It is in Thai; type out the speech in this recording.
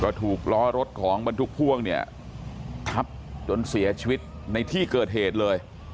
ก็ถูกล้อรถของบรรทุกพ่วงเนี่ยทับจนเสียชีวิตในที่เกิดเหตุเลย